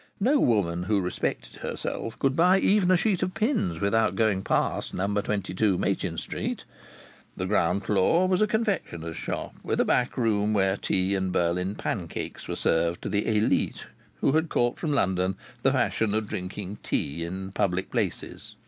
No woman who respected herself could buy even a sheet of pins without going past No. 22 Machin Street. The ground floor was a confectioner's shop, with a back room where tea and Berlin pancakes were served to the élite who had caught from London the fashion of drinking tea in public places.